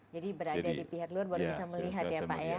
jadi berada di pihak luar baru bisa melihat ya pak ya